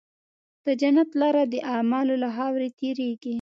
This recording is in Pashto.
د جنت لاره د اعمالو له خاورې تېرېږي.